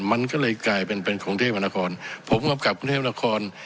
มันก็เลยกลายเป็นเป็นของประเทศหวันละครผมก็กลับประเทศหวันละคร